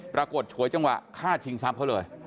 ฉวยจังหวะฆ่าชิงทรัพย์เขาเลย